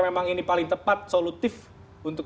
memang ini paling tepat solutif untuk